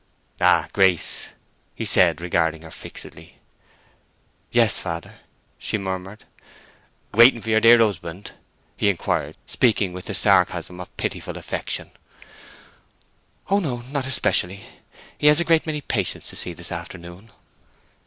"Ah, Grace," he said, regarding her fixedly. "Yes, father," she murmured. "Waiting for your dear husband?" he inquired, speaking with the sarcasm of pitiful affection. "Oh no—not especially. He has a great many patients to see this afternoon."